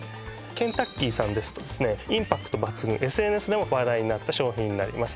ケンタッキーさんですとインパクト抜群ＳＮＳでも話題になった商品になります